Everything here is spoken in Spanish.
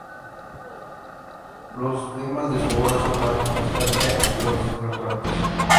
Los temas de su obra son la nostalgia y los recuerdos.